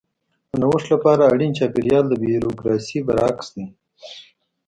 د نوښت لپاره اړین چاپېریال د بیوروکراسي برعکس دی.